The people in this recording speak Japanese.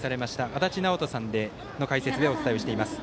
足達尚人さんの解説でお伝えしています。